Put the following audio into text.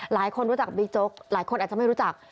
หลายคนรู้จักบิ๊กโจ๊กหลายคนอาจจะไม่รู้จัก